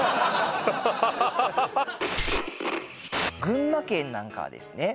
群馬県なんかはですね